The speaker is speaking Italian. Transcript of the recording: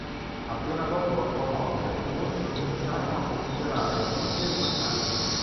Appena dopo la sua morte, molti cominciarono a considerare Edvige una santa.